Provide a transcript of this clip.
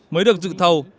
mới được dự thầu